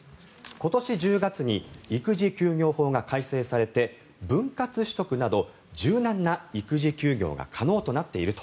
今年１０月に育児休業法が改正されて分割取得など柔軟な育児休業が可能となっていると。